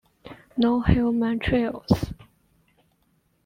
No human trials.